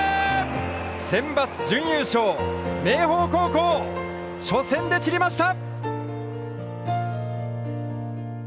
センバツ準優勝、明豊高校初戦で散りました。